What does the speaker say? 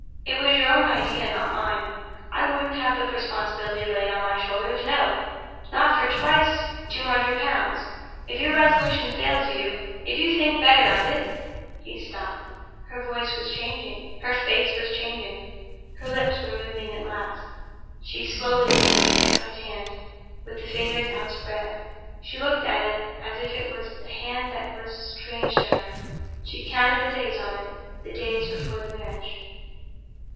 "It was your own idea—not mine. I won't have the responsibility laid on my shoulders—no! not for twice two hundred pounds. If your resolution fails you; if you think better of it—?" He stopped. Her face was changing; her lips were moving at last. She slowly raised her left hand, with the fingers outspread; she looked at it as if it was a hand that was strange to her; she counted the days on it, the days before the marriage.